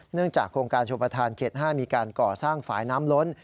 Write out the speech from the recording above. จากโครงการชมประธานเขต๕มีการก่อสร้างฝ่ายน้ำล้น